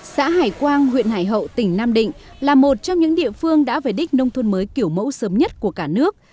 xã hải quang huyện hải hậu tỉnh nam định là một trong những địa phương đã về đích nông thôn mới kiểu mẫu sớm nhất của cả nước